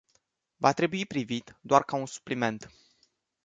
Ar trebui privit doar ca un supliment.